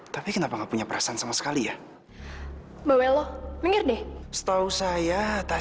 kalian pasti akan terima semua akibatnya